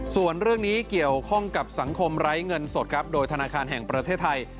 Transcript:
ส่วนเรื่องนี้เกี่ยวข้องกับสังคมไร้เงินสดครับโดยธนาคารแห่งประเทศไทย